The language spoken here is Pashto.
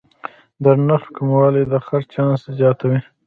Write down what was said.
د نرخ کموالی د خرڅ چانس زیاتوي.